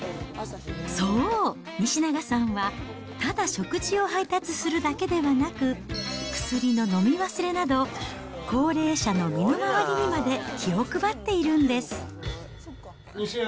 そう、西永さんは、ただ食事を配達するだけではなく、薬の飲み忘れなど、高齢者の身の回りにまで気を配っているんです。